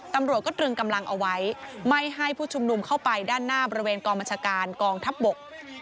ตำรวจก็ตรึงกำลังเอาไว้ไม่ให้ผู้ชุมนุมเข้าไปด้านหน้าบริเวณกองบัญชาการกองทัพบก